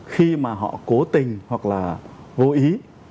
khi mà họ cố tình hoặc là vô ý